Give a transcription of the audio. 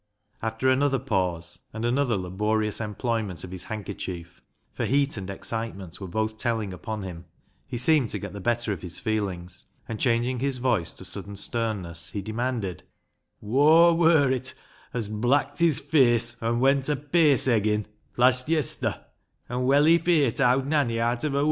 After another pause and another laborious employment of his handkerchief, — for heat and excitement were both telling upon him, — he seemed to get the better of his feelings, and changing his voice to sudden sternness, he demanded —" Whoa wur it as blacked his face an' went a pace eggin' [mumming] last Yester [Easter], and welly feart owd Nanny aat of her wits